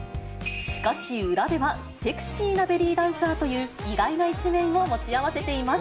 しかし裏では、セクシーなベリーダンサーという、意外な一面を持ち合わせています。